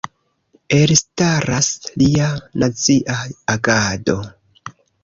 Elstaras lia nazia agado.